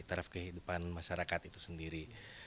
taraf kehidupan masyarakat itu sendiri